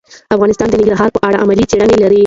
افغانستان د ننګرهار په اړه علمي څېړنې لري.